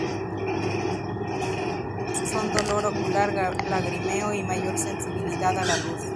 Los síntomas principales son dolor ocular, lagrimeo y mayor sensibilidad a la luz.